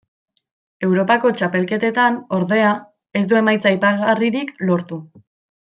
Europako txapelketetan ordea ez du emaitza aipagarririk lortu.